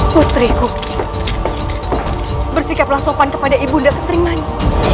putriku bersikaplah sopan kepada ibu nda ketrimani